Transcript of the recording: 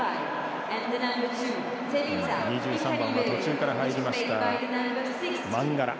２３番、途中から入りましたマンガラ。